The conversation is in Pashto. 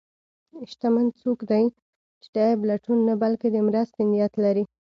شتمن څوک دی چې د عیب لټون نه، بلکې د مرستې نیت لري.